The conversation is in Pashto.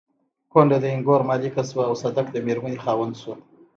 کونډه د اينګور مالکه شوه او صدک د مېرمنې خاوند شو.